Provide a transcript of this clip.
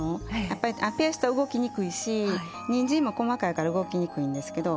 やっぱりペーストは動きにくいしにんじんも細かいから動きにくいんですけど。